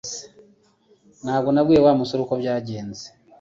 Ntabwo nabwiye Wa musore uko byagenze